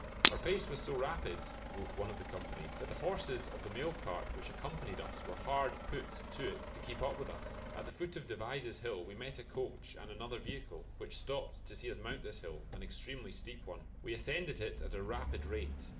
"Our pace was so rapid," wrote one of the company, "that the horses of the mail cart which accompanied us were hard put to it to keep up with us. At the foot of Devizes Hill we met a coach and another vehicle, which stopped to see us mount this hill, an extremely steep one. We ascended it at a rapid rate.